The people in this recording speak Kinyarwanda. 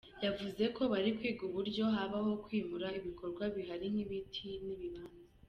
Yavuze ko bari kwiga uburyo habaho kwimura ibikorwa bihari nk’ibiti n’ibibanza.